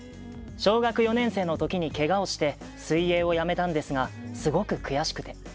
小学生４年生のときにけがをして水泳をやめたんですがすごく悔しくて。